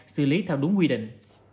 xử lý theo đúng quy định